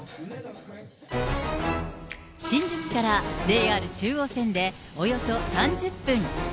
新宿からＪＲ中央線でおよそ３０分。